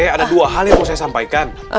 ada dua hal yang mau saya sampaikan